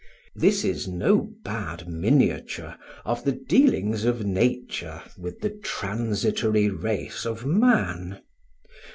This is no bad miniature of the dealings of nature with the transitory race of man.